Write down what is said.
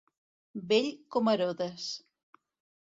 Vell com Herodes.